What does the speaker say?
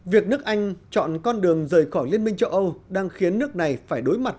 việc nước anh chọn con đường rời khỏi liên minh châu âu đang khiến nước này phải đối mặt